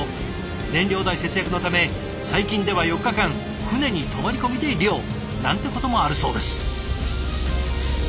燃料代節約のため最近では４日間船に泊まり込みで漁なんてこともあるそうです。